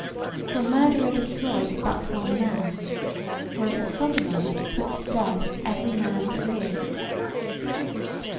For a murderer destroys but one man whereas a Sodomite puts to death "every man that lives."